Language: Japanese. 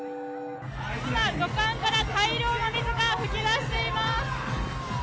今、土管から大量の水が噴き出しています。